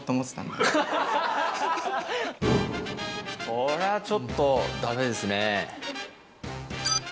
これはちょっとダメですね。